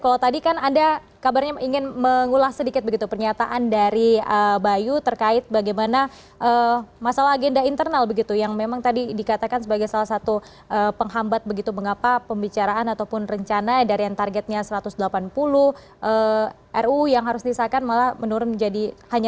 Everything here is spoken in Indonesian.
kalau tadi kan anda kabarnya ingin mengulas sedikit begitu pernyataan dari bayu terkait bagaimana masalah agenda internal begitu yang memang tadi dikatakan sebagai salah satu penghambat begitu mengapa pembicaraan ataupun rencana dari yang targetnya satu ratus delapan puluh ru yang harus disahkan malah menurun menjadi hanya satu